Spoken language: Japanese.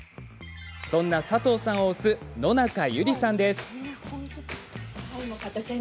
そんな佐藤さんを推す野中裕梨さんです。